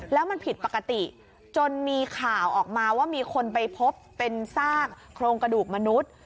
แล้วมันผิดปกติจนมีข่าวออกมาว่ามีคนไปพบเป็นซากโครงกระดูกมนุษย์